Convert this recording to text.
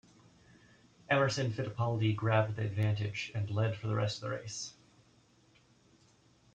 Emerson Fittipaldi grabbed the advantage, and led for the rest of the race.